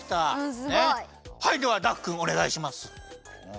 はいではダクくんおねがいします！